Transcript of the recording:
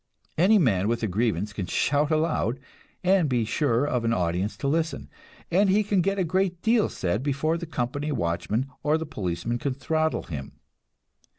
Any man with a grievance can shout aloud, and be sure of an audience to listen, and he can get a great deal said before the company watchman or the policeman can throttle him.